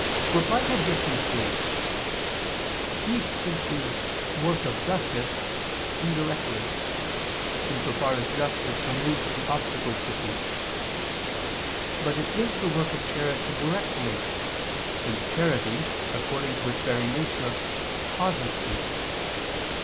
Reply Obj. 3: Peace is the "work of justice" indirectly, in so far as justice removes the obstacles to peace: but it is the work of charity directly, since charity, according to its very nature, causes peace.